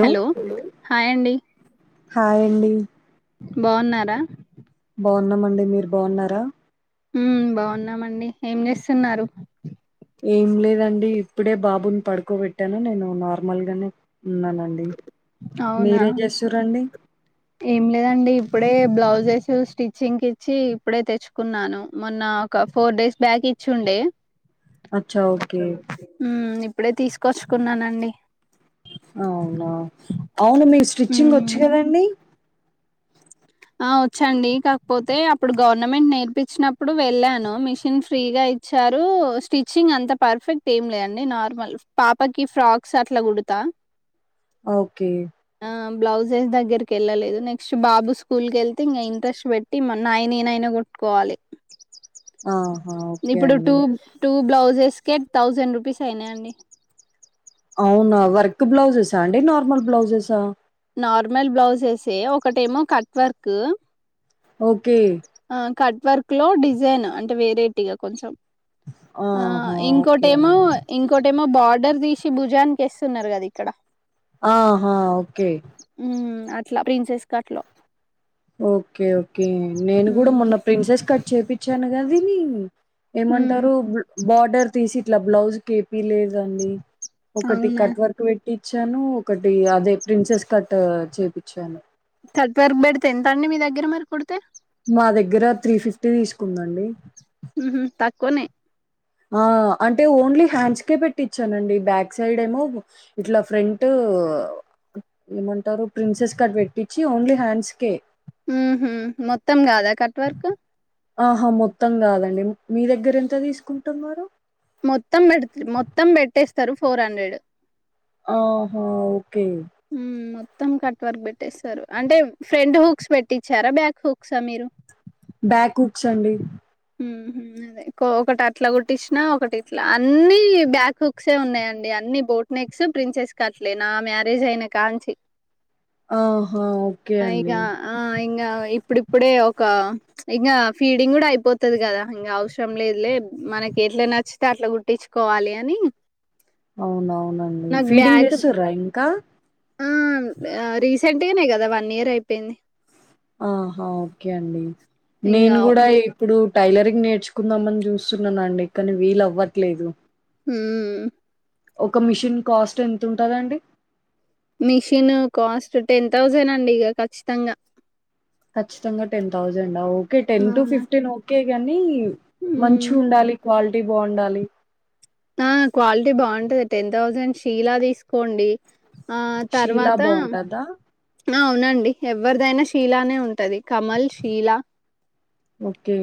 Hello hi అండి? Hi అండి బావున్నారా? బావున్నామండి మీరు బావున్నారా? హుమ్ బావున్నామండి ఏంచేస్తున్నారు? ఏంలేదండి ఇప్పుడే బాబుని పడుకోబెట్టాను నేను నార్మల్ గానే ఉన్న అవునా చేస్తురండి ఏమీలేదండీ ఇప్పుడే బ్లౌజెస్ స్టిచ్చింగ్ ఇచ్చి ఇప్పుడే తెచ్చుకున్నాను. మొన్న ఒక ఫోర్ డేస్ బ్యాక్ ఇచ్చిండే. అచ్చా ఓకే ఏ హుమ్ ఇప్పుడే తీసుకొచ్చుకున్నానండి అవునా, అవును మీకు స్టిచ్చింగ్ వచ్చు ఉమ్ కదండి? ఆ వచ్చండి. కాకపోతే అప్పుడు గవర్నమెంట్ నేర్పించినప్పుడు వెళ్ళాను మిషన్ ఫ్రీగా ఇచ్చారు స్టిచ్చింగ్ అంత పర్ఫెక్ట్ ఏం లేదండి. నార్మల్ పాపకి ఫ్రాక్స్ అట్లా కుడతా. ఓకే. ఆ బ్లౌజెస్ దగ్గరకి ఎల్లళ్లేదు. నెక్ట్ బాబు స్ హు స్కూల్ కెల్తే ఇంగ ఇంట్రెస్ట్ వెట్టి నాయి నేనైన కుట్టుకోవాలి. ఆహా ఓకే ఇప్పుడు అండి టూ టూ బ్లౌజెస్ కె థౌజండ్ రూపీస్ అయినాయండి. అవునా వర్క్ బ్లౌజెస్స అండి నార్మల్ బ్లౌజెస్ ఆ నార్మల్ బ్లౌజెసే. ఒకటేమో కట్ వర్క్. ఓకే. ఆ కట్ వర్క్లో డిజైన్ అంటే వేరేటిగ కొంచెం ఆ ఆహా ఓకే ఇంకోటేమో అండి ఇంకోటి మా బార్డర్ తీసి భుజాన్నికేస్తున్నారు కదా ఇక్కడ. ఆహా ఓకే. ఉమ్, అట్లా ప్రిన్సెస్ కట్ లో ఓకే ఓకే. నేను కూడా ఉమ్, మొన్న ప్రిన్సెస్ కట్ చేయిచ్చాను కద నీ ఉమ్, ఏమంటారు బార్డర్ తీసి ఇట్లా బ్లౌజ్ కి ఏపీలెదండి. ఒకటి అవునా కట్ వర్క్ పెట్టిచ్చాను. ఒకటి అదే ప్రిన్సెస్ కట్ చేపిచ్చాను. కట్ వర్క్ పెడితే ఎంత అండి మీ దగ్గర మరి కుడితే? మా దగ్గర త్రీ ఫిఫ్టీ తీసుకుందండి. ఉహు తక్క్వనే. ఆ అంటే ఓన్లీ హ్యాండ్స్కే పెట్టిచ్ఛానండి. బ్యాక్ సైడ్ ఏమో ఇట్ల ఫ్రంట్ ఓ ఏమంటారు ప్రిన్సెస్ కట్ పెట్టించి, ఓన్లీ హ్యాండ్స్ కే. మ్హు మొత్తం కాదా కట్వర్క్? ఆహా మొత్తం కాదండి మీ దగ్గర ఎంత తీసుకుంటున్నారు? మొత్తం పెడుతు మొత్తం పెట్టేస్తారు ఫోర్ హండ్రెడ్ ఆహా ఓకే. మొత్తం కట్ వర్క్ పెట్టేస్తారు అంటే ఫ్రంట్ హుక్స్ పెట్టించారా బ్యాక్ హుక్సా మీరు? బ్యాక్ హుక్స్ అండీ. మ్హు అదే ఒకటి అట్లా కుట్టించినా, ఒకటి ఇట్లా అన్ని బ్యాక్ హుక్సే ఉన్నాయ్. అన్ని బోట్ నెక్స్, ప్రిన్సెస్ కట్లే. నా మ్యారేజ్ అయిన కాంచి. ఆహా! ఓకే ఆ ఇగ అండి. ఆ ఇంగ ఇంగా ఇప్పుడిప్పుడే ఒక ఇంగా ఫీడింగ్ కూడా అయిపోతు తది కదా ఇంగ అవసరంలేదులే. మనకి ఎట్లా నచ్చితే, అట్లా కుట్టించుకోవాలి అని. అవునవునండి ఫీడింగ్ చెస్తురా ఇంకా? ఆ రీసెంట్గానే కదా వన్ ఇయర్ అయిపోయింది. ఆహా ఓకే అండి. నేను ఇంకా కూడా ఇప్పుడు, టైలరింగ్ నేర్చుకుందామని చూస్తున్నానండి కానీ వీలవ్వట్లేదు. మ్ ఒక మిషన్ కాస్ట్ ఎంత ఉంటదండి? మిషిన్ కాస్ట్ టెన్ తౌసండ్ అండి ఇగా ఖచ్చితంగా. ఖచ్చితంగా ten thousand? Okay ten to అవునా? ఫిఫ్టీన్ ఓకే గాని, హ్మ్ మంచిగుండాలి. క్వాలిటీ బాగుండాలి. ఆ క్వాలిటీ బాగుంటది టెనూ తౌసన్ షీలా తీసుకోండి. ఆ షీలా తర్వాత బావుంటదా? అవునండి ఎవరిదైనా షీలానే ఉంటాది కమల్ షీలా ఓకే.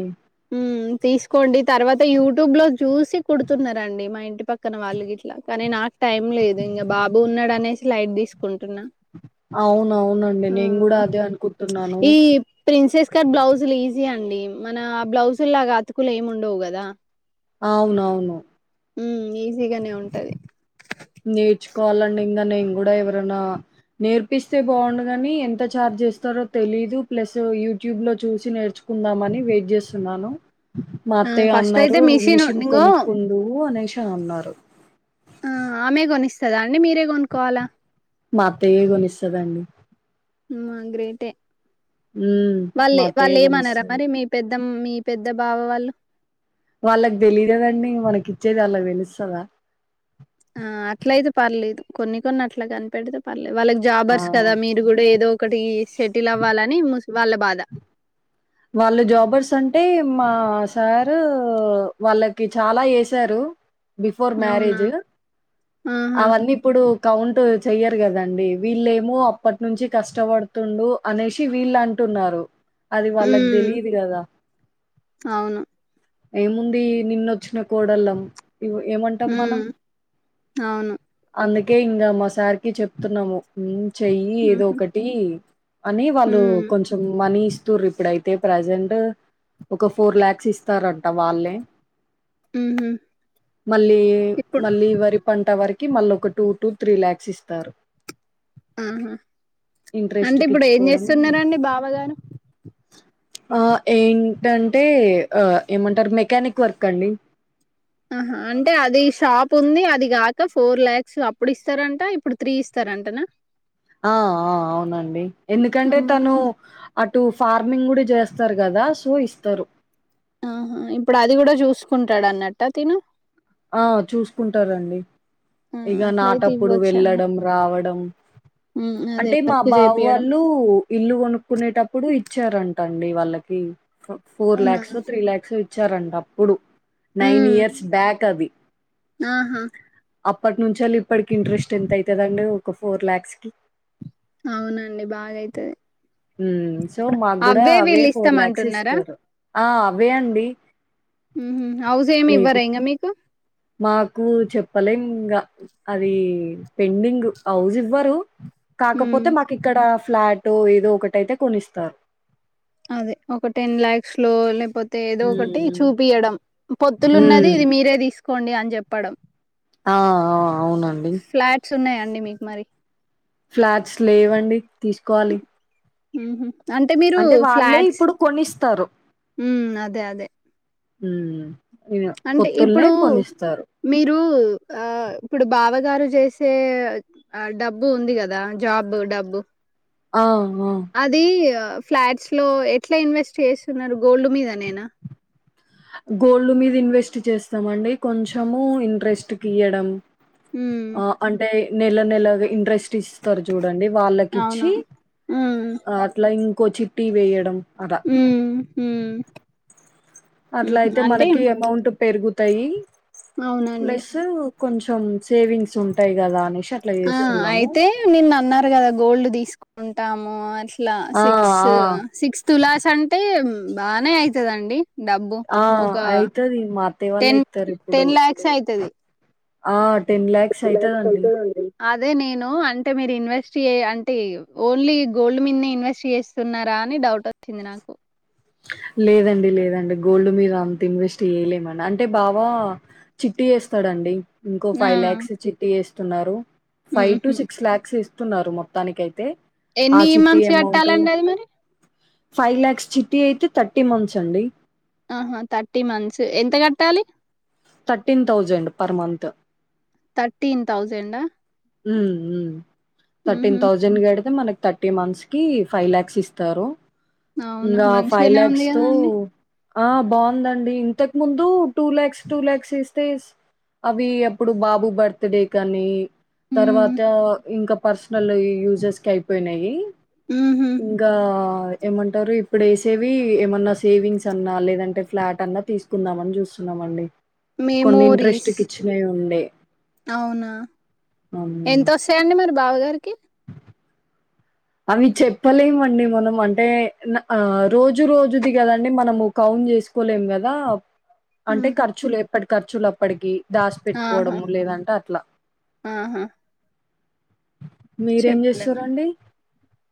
తీసుకోండి తర్వాత యూట్యూబ్ లో చూసి కుడుతున్నారండి మా ఇంటి పక్కన వాళ్ళు గిట్ల కానీ నాకు. టైం లేదు ఇంగా బాబు ఉన్నాడు అనేసి లైట్ తీసుకుంటున్నా అవును అవునండి నేను కూడా హ్మ్ అదే అనుకుంటున్నాను క్క బ్లౌజులు ఈజీ అండి మన ఆ బ్లౌజుల్లగా అతుకులు ఏమి ఉండవు కదా అవునవును మ్మ్ ఈజీగానే ఉంటాయి నేర్చుకోవాలండి ఇంకా నేను కూడా ఎవరైనా నేర్పిస్తే బాగుండుగాని ఎంత ఛార్జ్ చేస్తారో తెలీదు ప్లస్ యూట్యూబ్ లో చూసి నేర్చుకో కొందామని వెయిట్ చేస్తున్నాను మా ఆ అత్తయ్య ఫస్ట్ అయితే అన్నారు మిషన్ మిషిన్ ఇంగో కొనుక్కుందువు అనేసి అన్నారు ఆ ఆమె కొనిస్తాదండీ మీరే కొనుక్కోవాలా మా అత్తయ్యే కొనిస్తాదండి. ఆ గ్రేటే హ్మ్. మా వాళ్లే అత్తయ్యే వాళ్లే ఏమనరా గొనిస్తది. మరి మీ పెద్ద మీ పెద్ద బావ వాళ్ళు వాళ్ళకి తెలియదు కాదండి మనకి ఇచ్చేది వాళ్ళకి తెలుస్తాద ఆ అట్ల అయితే పర్లేదు కొన్ని కొన్ని అట్లా కనిపెడితే పర్లే. వాళ్లు ఆ! జాబర్స్ కదా మీరు కూడా ఏదో ఒకటి సెటిల్ అవ్వాలని ము వాళ్ళ బాధ వాళ్ళు జాబర్స్ అంటే మా సారు వాళ్ళకి చాలా చేసారు బిఫోర్ అవునా మ్యారేజ్ ఆహా అవన్నీ ఇప్పుడు. కౌంట్ చెయ్యారు కాదండి వీళ్ళమో అప్పటి నుంచి కష్టపడుతుండు అనేసి వీళ్ళ అంటు న్నారు అది వాళ్ళకు హ్మ్ తెలీదు గదా అవును ఏముంది నిన్నొచ్చిన కోడళ్ళం ఏమంటాం మనం హ్మ్ అవును అందుక కే ఇంగా మా సార్ కి చెప్తున్నాము చెయ్యి ఏదో ఊహూ ఒకటి అని వాళ్ళు హ్మ్ కొంచెం మనీ ఇస్తుర్రు ఇప్పుడైతే ప్రజెంట్ ఒక ఫోర్ ల్యాక్స్ ఇస్తారంట వాళ్ళే ఊహూ మళ్ళీ ఇప్పుడు మళ్ళీ వరి పంట వరకి మళ్ళీ ఒక టూ టూ త్రీ ల్యాక్స్ ఇస్తారు ఆహ అంటే ఇప్పుడు ఇంట్రెస్ట్‌కిచ్చుకోవడం ఏంచేస్తున్నరండి బావగా ఆ ఏంటంటే ఆ ఏమంటారు మెకానిక్ వర్క్ అండి ఆహా అంటే అది షాప్ ఉంది అది కాక ఫోర్ ల్యాక్స్ అప్పుడు ఇస్తారంట ఇప్పుడు త్రీ ఇస్తారు అంటానా ఆ ఆ అవునండి ఎందుకంటే అమ్మ! తను అటు ఫార్. ఫార్మింగ్ కూడ చేస్తారు కదా సో ఇస్తారు ఆహా ఇప్పుడు అది కూడా చూసుకుంటాడు అన్నట్ట తిను ఆ చూస్కుంటారండి ఆ! ఇగా అట్లయితే నాటప్పుడు ఇవ్వొచ్చండి. వెళ్ళడం రావడం హ్మ్. అదే అంటే మా వర్క్ బావ జేపియడం. వాళ్ళు ఇల్లు కొనుక్కునేటప్పుడు ఇ ఇచ్చారంటండి వాళ్ళకి ఫోర్ అవునా? ల్యాక్సో త్రీ లాక్సో ఇచ్చారంట అప్పుడు నైన్ హ్మ్. ఇయర్స్ బ్యాక్ అది ఆహా అప్పటి నుంచెల్లి ఇప్పటికి ఇంట్రెస్ట్ ఎంత అయితదండి ఒక ఫోర్ లాక్స్ కి అవునండి బాగాయితది ఉ సో మాకు కూడా అవే ఫోర్ లాక్స్ వీళ్ళిస్తామంటున్నారా? ఇస్తారు ఉ హు హౌస్ ఎం లేదు ఇవ్వరా ఇంకా మీకు మాకు చెప్పలేం ఇంగ అది పెండింగ్ హౌజ్ ఇవ్వరు హ్మ్. కాకపోతే మాకు ఇక్కడ ఫ్లాట్ ఏదో ఒకటిటైతే కొనిస్తారు అదే ఒక టెన్ లాక్స్ లో లేపో పోతే ఏదో ఒకటి హ్మ్. చూపియడం పొత్తులు ఉన్నది హ్మ్. ఇది మీరే తీసుకోండి అని చెప్పడం ఆ ఆ అవునండి. ఫ్లాట్స్ ఉన్నాయండి మీకు మరి ఫ్లాట్స్ లేవండి తీసుకోవాలి ఉ హు అంటే మీరు వాళ్ళే ఫ్లాట్స్ ఇప్పుడు కొనిస్తారు. ఉ అదే అదే ఊ అంటే ఇప్పుడు మీరు ఆ ఇప్పుడు బావగారు చేసే డబ్బు ఉంది కదా జాబ్ డబ్బు ఆ ఆ ఫ్లాట్స్ లో ఎట్లా ఇన్వెస్ట్ చేస్తున్నారు గోల్డ్ మీద నేనా గోల్డ్ మీద ఇన్వెస్ట్ చేస్తామండి కొంచము ఇంట్రెస్ట్కి ఇయడం హ్మ్. ఆ అంటే నెల నెలది ఇంట్రెస్ట్ టిస్స్తారు చూడండి వాళ్ళకి ఇచ్చి అవునవును. హ్మ్. అట్లా ఇంకో చిట్టీ వేయడం అదా ఊ అట్లా అయితే మనకి అమౌంట్ పెరుగుతాయి అవునండి. ప్లస్ కొంచెం సేవింగ్స్ ఉంటాయి కదా అని ఆ అయితే నిన్న అన్నారు కదా గోల్డ్ తీసుకుంటాము అ ఇలా ఆ! సిక్స్ ఆ! సిక్స్త్ క్లాస్ అంటే బాగా అయితదండి డబ్బు ఆ! ఒక అయితది. మా అత్తయ్య వాళ్ళే టెన్ ఇత్తరిప్పుడు. టెన్ లాక్సే అయితది ఆ టెన్ లాక్స్ అయితదండి అదే నేను అంటే మీరు ఇన్వెస్ట్ అంటే ఓన్లీ గోల్డ్ మీనే ఇన్వెస్ట్ చేస్తున్నారా అని డౌట్ వచ్చింది నాకు లేదండి లేదండి గోల్డ్ మీద అంత ఇన్వెస్ట్ చేయలేమని అంటే బావ చిట్టీ ఎస్తడండి ఇంకో ఆ ఫైవ్ ల్యాక్స్ చిట్టీ ఎస్తున్నారు ఫైవ్ టు ఉహు సిక్స్ లాక్స్ టున్నారు మొత్తానికయితే ఆ ఎన్ని చిట్టి మంత్స్ అమౌంట్ కట్టాలండి అది మరి ఫైవ్ లాక్స్ చిట్టీ అయితే థర్టీ మంత్స్ అండి ఆహా థర్టీ మంత్స్ ఎంత కట్టాలి thirteen thousand per month thirteen తౌసండా ఉ ఉ థర్టీన్ థౌజండ్ కడితే మన థర్టీ మంత్స్ కి ఫైవ్ లాక్స్ ఇస్తారు అవునా ఇంగా ఫైవ్ మంచిగానే ఉంది లాక్స్ తో కదండి ఆ బాగుందండి ఇంతకు ముందు టూ లాక్స్ టూ లాక్స్ ఇస్తే అవి అప్పుడు బాబు బర్త్ డే కనీ ఉమ్ తర్వాత ఇంకా పర్సనల్ యూజెస్ కి అయిపోయినాయి ఉహు ఇంగా ఏమంటారు ఇప్పుడు ఎసేవి ఏమన్నా సేవింగ్స్ అన్నా లేదంటే ఫ్లాట్ అన్నా తీసుకుందామని చూస్తున్నామండి కొన్ని ఇంట్రెస్ట్ మెమోరీస్ కిచ్చినవి ఉండే అవును ఎంతొస్తాయండి మరి బావగారు అవి చెప్పలేమండి మనం అంటే ఆ రోజు రోజుది కదండి మనము కౌ చేకోలేం కదా అంటే ఉహు ఖర్చులు ఎప్పటి ఖర్చులు అప్పటికి దాసి ఆహా పెట్టుకోవడము లేదంటే అట్లా ఆహా మీరేం చెప్పలేము చేస్తురండి,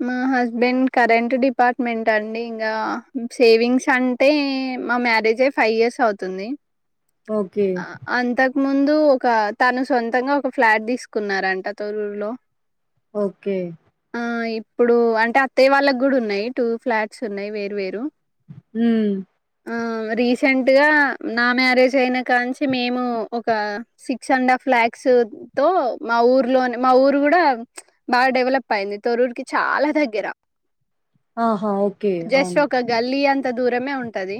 మా హస్బెండ్ కరెంట్ డిపార్ట్మెంట్ అండి ఇంకా సేవింగ్స్ అంటే మా మ్యారేజ్ అయి ఫైవ్ ఇయర్స్ అవుతుంది, ఓకే. అంతకుముందు ముందు ఒక తాను సొంతంగా ఒక ఫ్లాట్ తీసుకున్నారంట తొర్రూర్ లో ఓకే ఆ ఇప్పుడు అంటే అత్తయ్య వాళ్ళకి కూడా ఉన్నాయి టూ ఫ్లాట్స్ ఉన్నాయి వేరు వేరు ఉ రీసెంట్ గా నా మ్యారేజ్ అయినా కానుంచి మేము ఒక సిక్స్ అండ్ హఫ్ స్లాక్స్ తో మా ఊర్లోని మా ఊరు కూడా బాగా డెవలప్ అయింది తొర్రూర్ కి చాలా దగ్గర ఆహా! ఓకే. జస్ట్ అవును. ఒక గాలి అంత కొంత దూరమే ఉంటది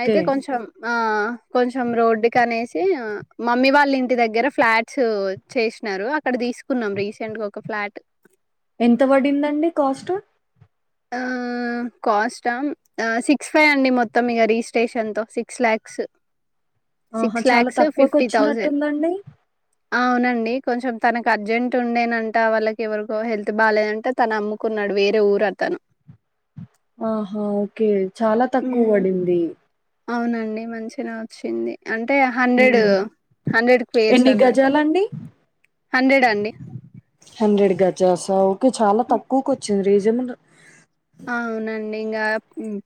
అయితే కొంచెం ఆ కొంచెం రోడ్డు కనేసి మమ్మీ వాళ్ళ ఇంటి దగ్గర ఫ్లాట్స్ చేసి అక్కడ తీసుకున్నాం రీసెంట్ గా ఒక ఫ్లాట్ ఎంత పడిందండి కాస్ట్ ఆ క్యాస్ట్ సిక్స్ ఫైవ్ అండి మొత్తం ఇక రిజిస్ట్రేషన్ తో సిక్స్ ల్యాక్స్ ఆహా! సిక్స్ చాలా లాక్స్ ఫిఫిటీ తౌజండ్ తక్కువకొచ్చినట్టుందండి. అవునండి కొంచెం తనకు అర్జెంట్ ఉండేనంట వాళ్ళకి ఎవరికో హెల్త్ బాలేదంటే తన అమ్ముకున్నాడు, వేరే ఊరు అతాను ఆహా ఓకే చాలా తక్కువ ఉమ్, పడింది, అవునండి మంచిగానే వచ్చింది. అంటే హండ్రెడ్ హ్మ్. హండ్రెడ్ కేర్స్ ఎన్ని అన్నట్టు గజాలండి? హండ్రెడ్ అండి హండ్రె గజసా ఓకే చాలా తక్కువకు వచ్చింది రీజనబుల్, అవునండి ఇంకా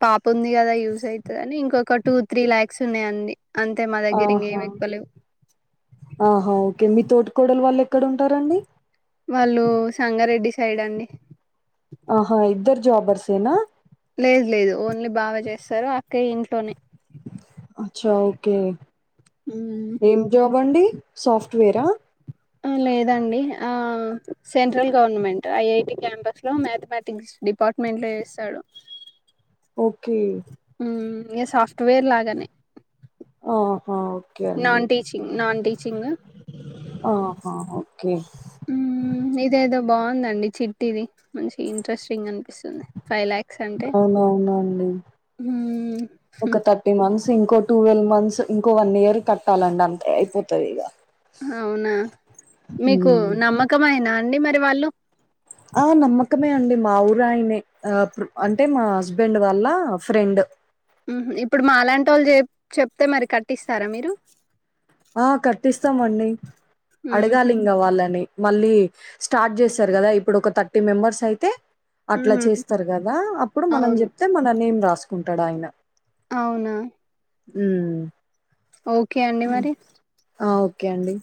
పాప ఉంది కదా యూజ్ అవుతదాని ఇంకొక టూ త్రీ లాక్స్ ఉన్నాయండి అంతే మా దగ్గర ఆహా! ఇంకెమి ఎక్కులేవు ఒకే మీ తోటి కోడలు వాళ్ు ఎక్కడ ఉంటారండి, వాళ్ళు సంగారెడ్డి సైడ్ అండి ఆహా ఇద్దరు జాబర్స్ఎన లేదు లేదు ఓన్లీ బావ చేస్తారు అక్కయ ఇంట్లోనే అచ్చా ఓకే హ్మ్. ఏం జాబ్ అండి సాఫ్ట్వేరా ఆ లేదండి ఆ సెంట్రల్ గవర్నమెంట్ ఐఐటి క్యాంపస్ లో మ్యాథమెటిక్స్ డిపార్ట్మెంట్ లో చేస్తాడు, ఓకే ఇగా సాఫ్ట్వేర్ లాగానే [unintelligible] అండి. నాన్ టీచింగ్ నాన్ టీచింగ్ ఆహా ఓకే మ్మ్ ఇదేదో బాగుందండి చిట్టి ఇది మంచి ఇంట్రెస్టింగ్ అని ది ఫైవ్ ల్యాక్స్ అంటే అవునవునండి. ఉం ఒక మంత్స్, ఇంకో టు వెల్వ్ మంత్స్ ఇంకో వన్ ఇయర్ కట్టాలండి అంతే అయిపోతది ఇగ అవునా మీకు నమ్మకమేయినా అండి మరి వాళ్ళు ఆ నమ్మకమే అండి మా ఊరాయనే అంటే మా హస్బెండ్ వాళ్ల ఫ్రెండ్ ఇప్పుడు మాలాంటి వాళ్ళు చె చెప్తే మరి కట్టిస్తారా మీరు ఆ కట్టిస్తామండి హుహు. అడగాలి ఇంగా వాళ్ళని మళ్ళీ స్టార్ట్ చేశారు కదా ఇప్పుడు ఒక థర్టీ మెంబర్స్ అయితే అట్లా హ్మ్. చేస్తారు కదా అప్పుడు మనం అవును. చెప్తే మన నేమ్ రాసుకుంటాడు ఆయన అవునా ఉం ఓకే అండి మరి ఓకే అండి